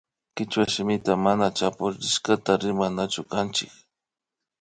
Kichwa shimitaka mana chapuchishpa rimanachu kanchik